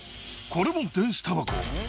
これも電子たばこ。